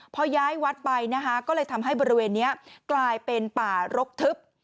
พอย้ายวัดไปนะคะก็เลยทำให้บริเวณนี้กลายเป็นป่ารกทึบ